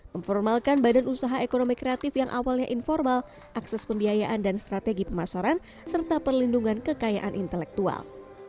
memformalkan badan usaha ekonomi kreatif yang awalnya informal akses pembiayaan dan strategi pemasaran serta perlindungan kekayaan intelektual